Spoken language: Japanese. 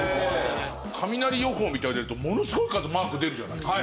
雷予報みたいのやるとものすごい数マーク出るじゃないですか。